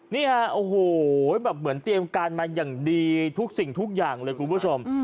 นี่ฮะโอ้โหแบบเหมือนเตรียมการมาอย่างดีทุกสิ่งทุกอย่างเลยคุณผู้ชม